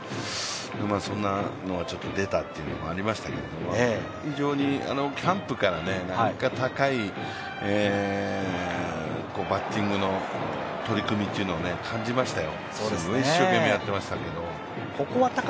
そんなのがちょっと出たというのもありましたけど、キャンプから高いバッティングの取り組みというのを感じましたよ。